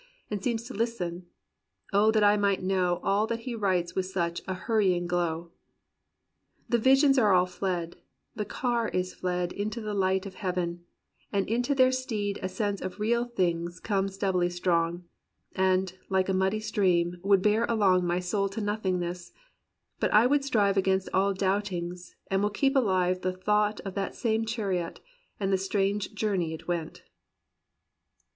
And seems to listen: O that I might know All that he writes with such a hurrying glow. The visions all are fled — the car is fled Into the light of heaven, and in their stead A sense of real things comes doubly strong. And, like a muddy stream, would bear along My soul to nothingness: but I will strive Against all doubtings, and will keep alive The thought of that same chariot, and the strange Journey it went.'